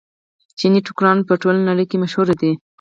چیني ټوکران په ټوله نړۍ کې مشهور دي.